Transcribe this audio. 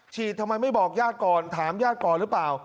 ทำไมไม่บอกญาติก่อนถามญาติก่อนหรือเปล่า